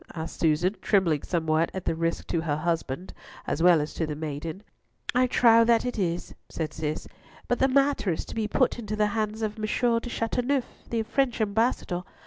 asked Susan, trembling somewhat at the risk to her husband, as well as to the maiden. "I trow that it is," said Cis, "but the matter is to be put into the hands of M. de Chateauneuf, the French Ambassador.